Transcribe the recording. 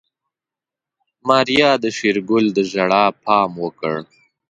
ماريا د شېرګل د ژړا پام وکړ.